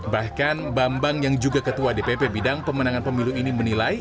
bahkan bambang yang juga ketua dpp bidang pemenangan pemilu ini menilai